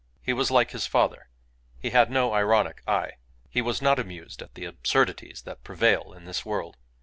He was like his father. He had no ironic eye. He was not amused at the absurdities that prevail in this world.